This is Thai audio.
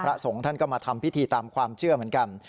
พระสงฆ์ท่านก็มาทำพิธีตามความเชื่อเหมือนกัน